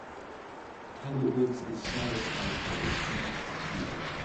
Talbot Woods is served by Talbot Heath School.